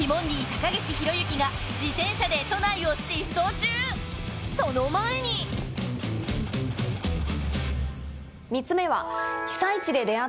・高岸宏行が自転車で都内を疾走中その前に３つ目は。